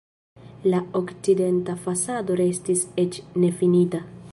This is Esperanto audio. La okcidenta fasado restis eĉ nefinita.